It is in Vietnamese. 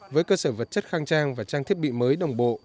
với cơ sở vật chất khang trang và trang thiết bị mới đồng bộ